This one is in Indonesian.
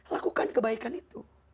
lakukan kebaikan itu